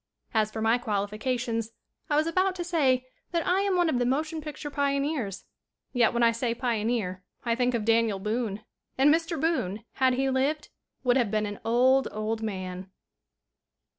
As for my qualifications I was about to say that I am one of the motion picture pioneers. Yet when I say pioneer I think of Daniel Boone. And Mr. Boone, had he lived, would have been an old, old man.